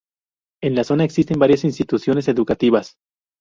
En la zona existen varias instituciones educativas.